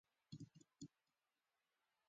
په نولسمه پېړۍ کې یې د هالنډ او برېټانیا تقلید وکړ.